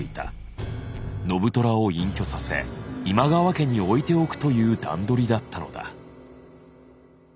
信虎を隠居させ今川家に置いておくという段取りだったのだ。